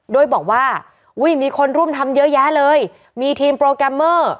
โดยบอกว่าอุ้ยมีคนร่วมทำเยอะแยะเลยมีทีมโปรแกรมเมอร์